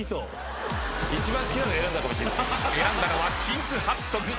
選んだのはチーズハットグ。